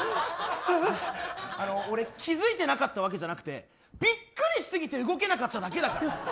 あの、俺気づいてなかったわけじゃなくてビックリしすぎて動けなかっただけだから。